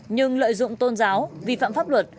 nhưng lợi dụng tôn giáo vi phạm pháp luật